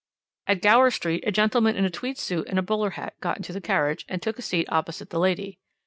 "At Gower Street, a gentleman in a tweed suit and bowler hat got into the carriage, and took a seat opposite the lady.